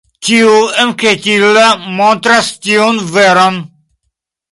Tiu enketilo montras tiun veron.